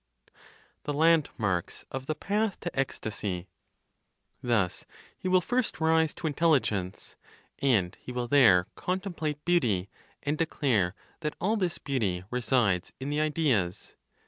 THE LANDMARKS OF THE PATH TO ECSTASY. Thus he will first rise to intelligence, and he will there contemplate beauty, and declare that all this beauty resides in the Ideas.